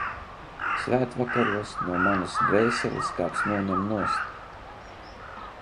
Svētvakaros no manas dvēseles kāds noņem nost.